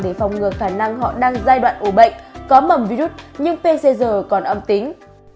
để phòng ngừa khả năng họ đang giai đoạn ổ bệnh có mầm virus nhưng pcr còn âm tính